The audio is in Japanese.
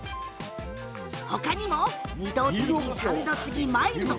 他にも二度つぎ、三度つぎ、マイルド！